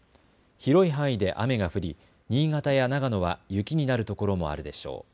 広い範囲で雨が降り新潟や長野は雪になるところもあるでしょう。